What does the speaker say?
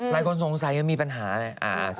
หลายคนสงสัยยังมีปัญหาเลย